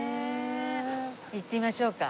行ってみましょうか。